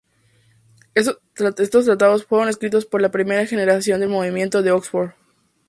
Estos tratados fueron escritos por la primera generación del Movimiento de Oxford.